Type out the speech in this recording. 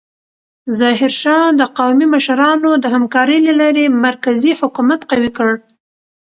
ظاهرشاه د قومي مشرانو د همکارۍ له لارې مرکزي حکومت قوي کړ.